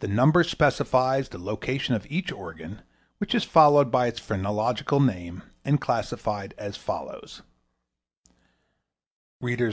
The number specifies the location of each organ, which is followed by its phrenological name, and classified as follows: Propensities.